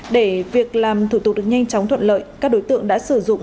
để việc làm thủ tục được nhanh chóng thuận lợi các đối tượng đã sử dụng